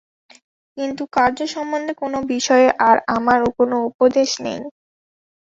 কিন্তু কার্য সম্বন্ধে কোন বিষয়ে আর আমার কোন উপদেশ নাই।